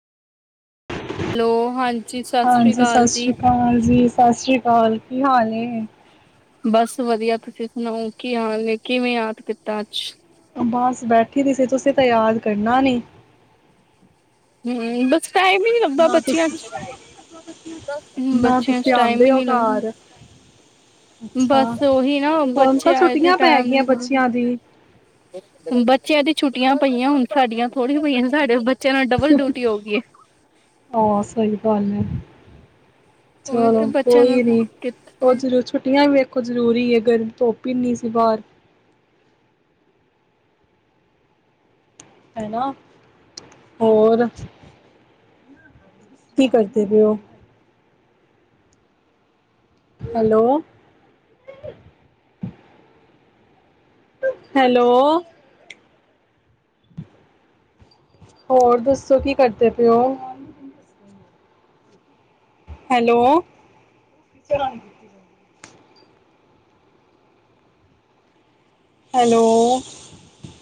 Hello ਹਾਂਜੀ ਸਤਿ ਸ੍ਰੀ ਹਾਂਜੀ ਅਕਾਲ ਸਸ ਜੀ ਰੀ ਕਾਲ ਜੀ। ਸਸ ਰੀ ਕਾਲ, ਕੀ ਹਾਲ ਏ। ਬਸ ਵਧੀਆ ਤੁਸੀਂ ਸੁਣਾਓ ਕੀ ਹਾਲ ਨੇ, ਕਿਵੇਂ ਯਾਦ ਕੀਤਾ ਅੱਜ? ਬਸ ਬੈਠੀ ਦੀ ਸੀ ਤੁਸੀਂ ਤਾਂ ਯਾਦ ਕਰਨਾ ਨੀ ਹੂੰ ਬਸ ਟਾਈਮ ਹੀ ਨੀ ਲੱਗਦਾ ਨਾ ਬੱਚਿਆਂ ਤੁਸੀਂ ਚ ਨਾ ਬੱਚਿਆਂ ਤੁਸੀਂ ਚ ਟਾਈਮ ਆਉਂਦੇ ਹੀ ਹੋ ਨੀ ਲਗਦਾ ਘਰ ਅੱਛਾ ਬਸ ਉਹੀ ਨਾ ਹੁਣ ਬੱਚੇ ਤਾਂ ਆਏ ਤੇ ਛੁੱਟੀਆਂ ਪੈ ਟਾਈਮ ਗਈਆਂ ਨੀ ਬੱਚਿਆਂ ਦੀ ਲਗਦਾ। ਬੱਚਿਆਂ ਦੀ ਛੁੱਟੀਆਂ ਪਈਆਂ ਹੁਣ ਸਾਡੀਆਂ ਥੋੜੀਆਂ ਪਈਆਂ ਨੇ ਸਾਡੇ ਬੱ ਆਹ ਸਹੀ ਗੱਲ ਐ। ਉਹੀ ਚਲੋ ਤੇ ਬੱਚਿਆਂ ਨਾਲ ਕੋਈ ਨੀ ਉਹ ਕਿੱਥੇ ਜਰੂਰ ਛੁੱਟੀਆਂ ਵੀ ਵੇਖ ਖ ਜ਼ਰੂਰੀ ਹੈ ਗਰਮੀ ਧੋਪੀ ਨਹੀਂ ਸੀ ਬਾਹਰ ਹਨਨਾ ਹੋਰ ਕੀ ਕਰਦੇ ਰਏ ਹੋ ਹੈਲੋ ਹੈਲੋ ਹੋਰ ਦੱਸੋ ਕੀ ਕਰਦੇ ਪਏਓ ਹੈਲੋ ਹੈਲੋ